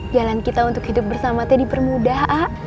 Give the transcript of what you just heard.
jalan kita untuk hidup bersama tadi bermudah a'a